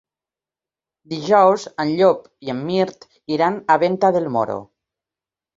Dijous en Llop i en Mirt iran a Venta del Moro.